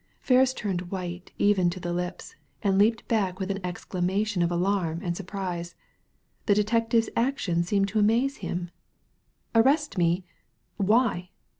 Ferris turned white even to the lips, and leaped back with an exclamation of alarm and surprise. The detective's action seemed to amaze him. "Arrest me! Why?